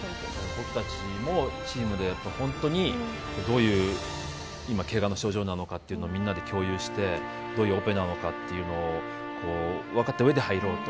僕たちもチームで、今どういうけがの症状かをみんなで共有してどういうオペなのかというのを分かったうえで入ろうと。